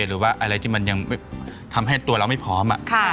หรือว่าอะไรที่มันยังทำให้ตัวเราไม่พร้อม